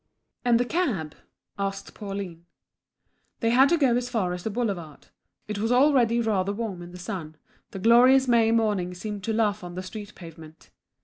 "And the cab?" asked Pauline. They had to go as far as the Boulevard. It was already rather warm in the sun, the glorious May morning seemed to laugh on the street pavement.